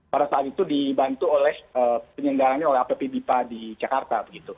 pada saat itu dibantu penyelenggaraannya oleh apb bipa di jakarta